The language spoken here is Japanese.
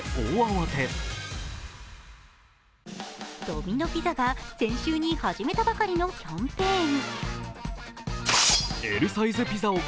ドミノ・ピザが先週に始めたばかりのキャンペーン。